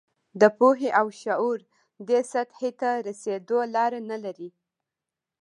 د پوهې او شعور دې سطحې ته رسېدو لاره نه لري.